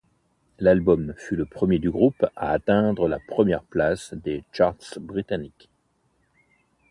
L'album fut le premier du groupe à atteindre la première place des charts britanniques.